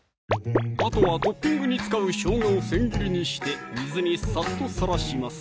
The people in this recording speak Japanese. あとはトッピングに使うしょうがを千切りにして水にさっとさらします